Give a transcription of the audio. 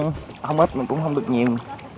nó cũng không ít mà cũng không được nhiều